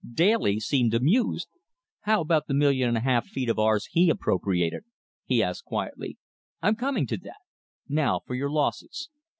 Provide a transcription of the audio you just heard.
Daly seemed amused. "How about the million and a half feet of ours HE appropriated?" he asked quietly. "I'm coming to that. Now for your losses.